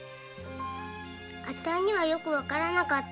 あたいにはよく分からなかった。